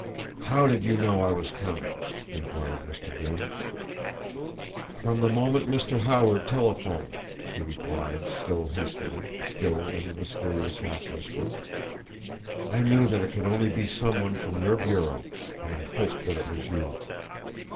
"How did you know I was coming?" inquired Mr. Grimm. "From the moment Mr. Howard telephoned," she replied, still hastily, still in the mysterious half whisper. "I knew that it could only be some one from your bureau, and I hoped that it was you.